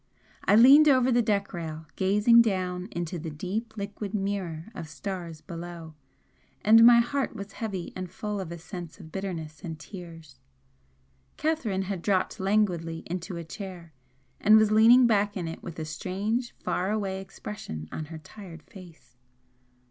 I leaned over the deck rail, gazing down into the deep liquid mirror of stars below, and my heart was heavy and full of a sense of bitterness and tears. Catherine had dropped languidly into a chair and was leaning back in it with a strange, far away expression on her tired face.